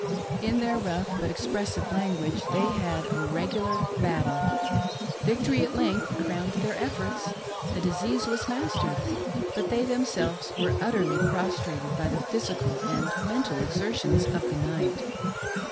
In their rough but expressive language, they " had a regular battle." Victory at length crowned their efforts :— the disease was mastered ; but they themselves were utterly prostrated by the physical and mental exertions of the night.